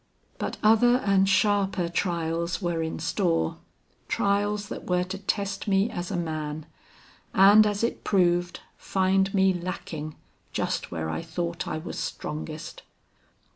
"But other and sharper trials were in store; trials that were to test me as a man, and as it proved, find me lacking just where I thought I was strongest.